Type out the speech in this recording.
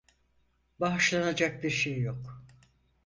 Bağışlanacak bir şey yok.